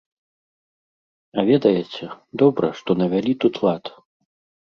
А ведаеце, добра, што навялі тут лад.